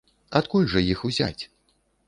Адкуль жа іх узяць?